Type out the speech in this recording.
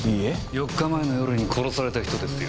４日前の夜に殺された人ですよ。